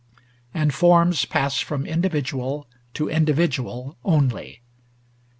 And forms pass from individual to individual only.